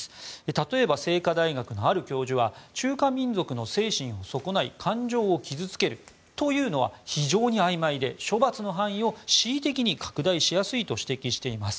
例えば清華大学のある教授は中華民族の精神を損ない感情を傷付けるというのは非常にあいまいで処罰の範囲を恣意的に拡大しやすいと指摘しています。